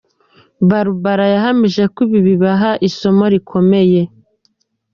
Barbara yahamije ko ibi bibaha isomo rikomeye.